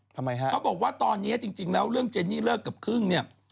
ทำไมฮะเขาบอกว่าตอนนี้จริงแล้วเรื่องเจนนี่เลิกกับครึ่งเนี่ย